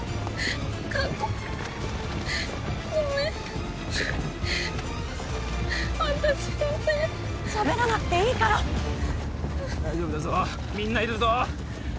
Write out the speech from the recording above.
過去ごめん私のせいしゃべらなくていいから大丈夫だぞみんないるぞ